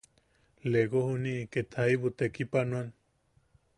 Lego juniʼi ket jaibu tekipanoan;.